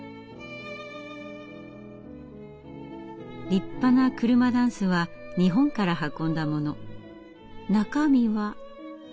立派な車箪笥は日本から運んだもの。中身は？